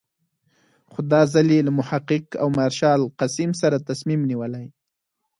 خو دا ځل یې له محقق او مارشال قسیم سره تصمیم نیولی.